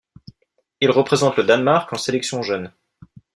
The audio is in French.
Il représente le Danemark en sélections jeunes.